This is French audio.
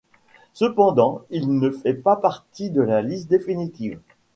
Cependant, il ne fait pas partie de la liste définitive.